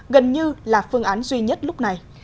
gần như là phương án duy nhất lúc này